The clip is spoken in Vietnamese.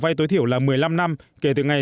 vay tối thiểu là một mươi năm năm kể từ ngày